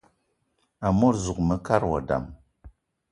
Amot zuga mekad wa dam: